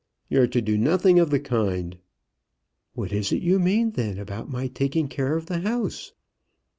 "You're to do nothing of the kind." "What is it you mean, then, about my taking care of the house?"